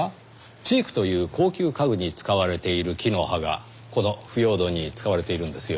チークという高級家具に使われている木の葉がこの腐葉土に使われているんですよ。